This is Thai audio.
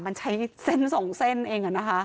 มันใช้เส้นสองเส้นเองอ่ะนะคะ